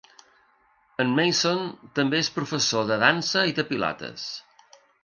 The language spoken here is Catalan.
En Mason també és professor de dansa i de Pilates.